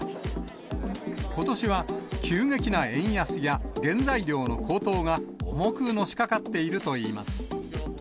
ことしは急激な円安や原材料の高騰が重くのしかかっているといいます。